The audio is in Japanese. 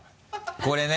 これね。